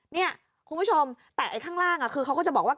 เนี่ยคุณผู้ชมแต่ไอ้ข้างล่างคือเขาก็จะบอกว่า